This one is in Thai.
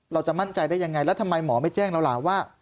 เราจะมั่นใจได้ยังไงแล้วทำไมหมอไม่แจ้งเราล่ะว่า